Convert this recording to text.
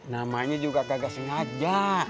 namanya juga kagak sengaja